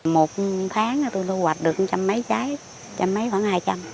một tháng tôi lưu hoạch được một trăm linh mấy trái một trăm linh mấy khoảng hai trăm linh